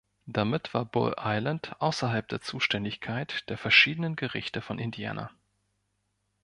Damit war Bull Island außerhalb der Zuständigkeit der verschiedenen Gerichte von Indiana.